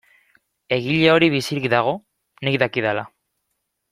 Egile hori bizirik dago, nik dakidala.